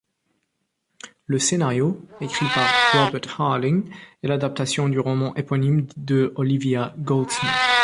Le scénario, écrit par Robert Harling, est l'adaptation du roman éponyme de Olivia Goldsmith.